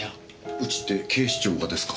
うちって警視庁がですか？